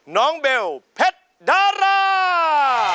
น้องเบลเพชรดารา